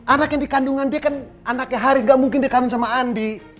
anak yang dikandungan dia kan anaknya hari gak mungkin dikamin sama andi